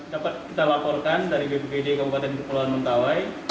dapat kita laporkan dari bpd kepulauan mentawai